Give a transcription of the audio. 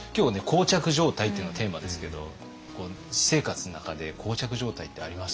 「膠着状態」っていうのがテーマですけど私生活の中で膠着状態ってあります？